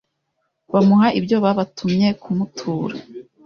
bamuha ibyo babatumye kumutura.